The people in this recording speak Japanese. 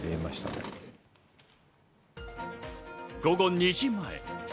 午後２時前。